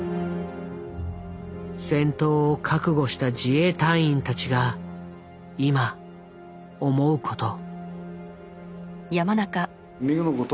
戦闘を覚悟した自衛隊員たちが今思うこと。